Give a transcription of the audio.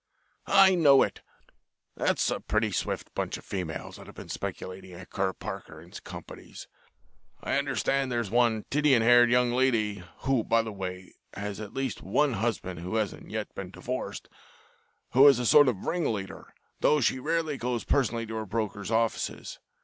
"I know it. That's a pretty swift bunch of females that have been speculating at Kerr Parker & Co.'s. I understand there's one Titian haired young lady who, by the way, has at least one husband who hasn't yet been divorced who is a sort of ringleader, though she rarely goes personally to her brokers' offices.